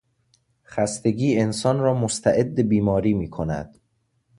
خستگی انسان را مستعد بیماری میکند.